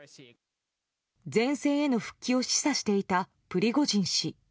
前線への復帰を示唆していたプリゴジン氏。